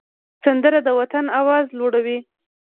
سندره د وطن آواز لوړوي